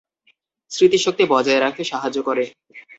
স্মৃতিশক্তি বজায় রাখতে সাহায্য করে।